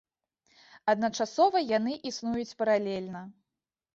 Адначасова яны існуюць паралельна.